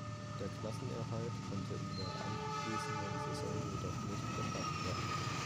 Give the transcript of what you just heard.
Der Klassenerhalt konnte in der anschließenden Saison jedoch nicht geschafft werden.